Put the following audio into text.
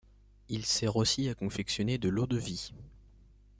Il sert aussi à confectionner de l'eau-de-vie.